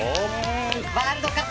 ワールドカップ